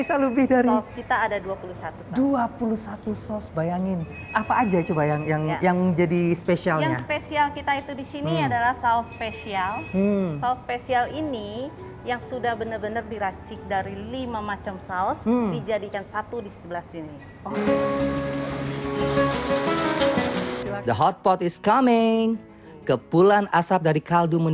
sambak sosifood daging sapi tahu hingga jamur dan sayuran